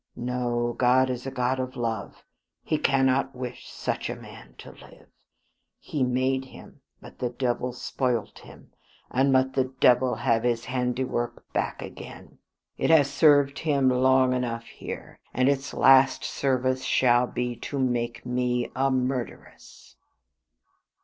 No. God is a God of love. He cannot wish such a man to live. He made him, but the devil spoilt him; and let the devil have his handiwork back again. It has served him long enough here; and its last service shall be to make me a murderess.